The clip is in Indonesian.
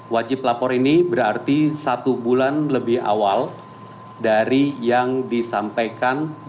wajib lapor ini berarti satu bulan lebih awal dari yang disampaikan